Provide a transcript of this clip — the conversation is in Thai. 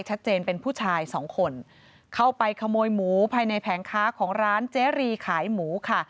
ชัดเจนเป็นผู้ชายสองคนเข้าไปขโมยหมูภายในแผงค้าของร้านเจรีขายหมูค่ะ